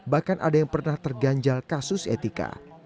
bahkan ada yang pernah terganjal kasus etika